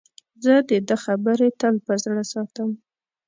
زه د ده خبرې تل په زړه ساتم.